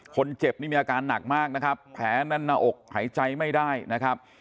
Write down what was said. คนเจ็บมีอาการหนักมากนะครับแพ้นั้นออกหายใจไม่ได้นะครับ